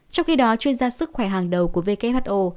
trong khi đó chuyên gia sức khỏe hàng đầu của who